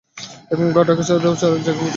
এখন গা ঢাকা দেওয়ার জায়গা খোঁজো!